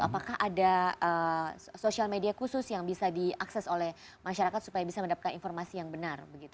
apakah ada sosial media khusus yang bisa diakses oleh masyarakat supaya bisa mendapatkan informasi yang benar